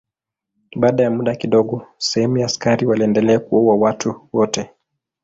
Baada ya muda kidogo sehemu ya askari waliendelea kuwaua watu wote.